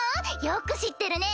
よく知ってるね。